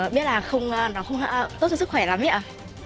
biết là nó không tốt cho sức khỏe lắm đấy ạ